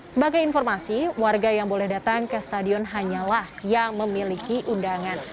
sebagai informasi warga yang boleh datang ke stadion hanyalah yang memiliki undangan